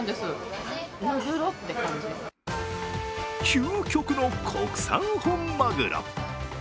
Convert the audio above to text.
究極の国産本マグロ